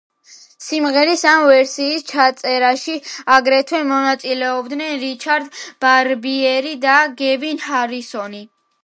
სიმღერის ამ ვერსიის ჩაწერაში აგრეთვე მონაწილეობდნენ რიჩარდ ბარბიერი და გევინ ჰარისონი.